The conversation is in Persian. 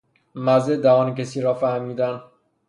مزه دهان کسی را فهمیدن